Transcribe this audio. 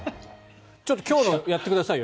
ちょっと今日のやってくださいよ。